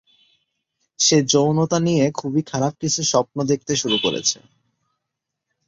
সে যৌনতা নিয়ে খুবই খারাপ কিছু স্বপ্ন দেখতে শুরু করেছে।